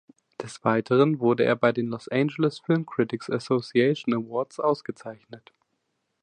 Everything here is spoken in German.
Des Weiteren wurde er bei den Los Angeles Film Critics Association Awards ausgezeichnet.